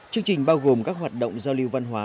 chương trình bao gồm các hoạt động giao lưu văn hóa